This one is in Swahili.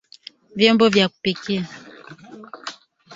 Vyombo vya kupikia